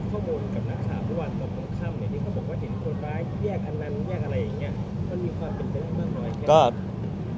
หมอบรรยาหมอบรรยา